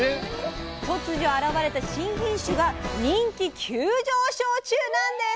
突如現れた新品種が人気急上昇中なんです！